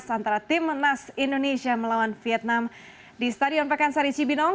antara tim nas indonesia melawan vietnam di stadion pakansari cibinong